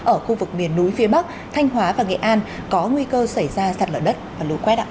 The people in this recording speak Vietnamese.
ở khu vực miền núi phía bắc thanh hóa và nghệ an có nguy cơ xảy ra sạt lở đất và lũ quét ạ